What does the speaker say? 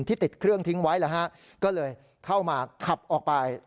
ติดเครื่องทิ้งไว้ก็เลยเข้ามาขับออกไป